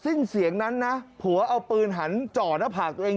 สิ้นเสียงนั้นนะผัวเอาปืนหันจ่อหน้าผากตัวเอง